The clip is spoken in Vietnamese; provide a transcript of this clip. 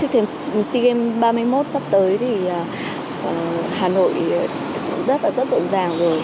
trước tiên sea games ba mươi một sắp tới thì hà nội rất là rất rộn ràng rồi